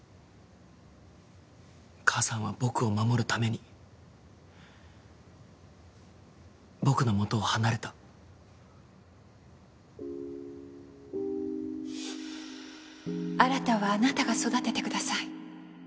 母さんは僕を守るために僕のもとを離れた新はあなたが育ててください